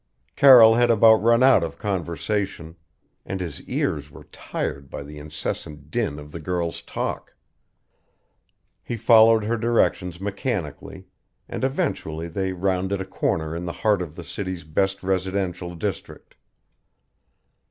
Carroll had about run out of conversation, and his ears were tired by the incessant din of the girl's talk. He followed her directions mechanically, and eventually they rounded a corner in the heart of the city's best residential district.